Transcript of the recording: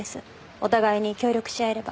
お互いに協力し合えれば。